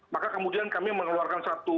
maka kemudian kami mengeluarkan satu